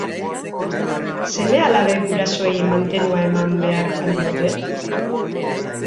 Seme-alabek gurasoei mantenua eman behar al diote?